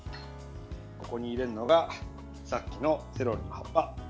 ここに入れるのがさっきのセロリの葉っぱ。